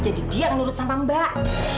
jadi dia yang nurut sama mbak